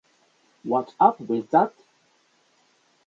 What's up with that?